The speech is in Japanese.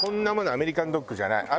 アメリカンドッグじゃない。